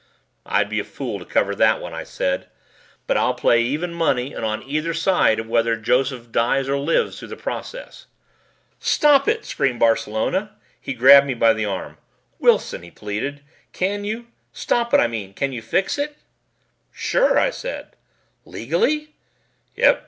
"I'd be a fool to cover that one," I said. "But I'll play even money and on either side of whether Joseph dies or lives through the process." "Stop it!" screamed Barcelona. He grabbed me by the arm. "Wilson," he pleaded, "Can you? Stop it, I mean? Can you fix it?" "Sure," I said. "Legally?" "Yep.